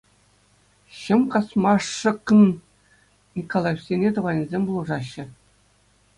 Ҫӑм касмашӑкн Николаевсене тӑванӗсем пулӑшаҫҫӗ.